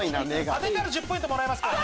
当てたら１０ポイントもらえますから。